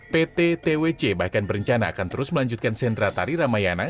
pt twc bahkan berencana akan terus melanjutkan sentra tari ramayana